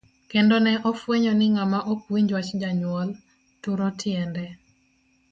Kendo ne ofwenyo ni ng'ama ok winj wach janyuol, turo tiende .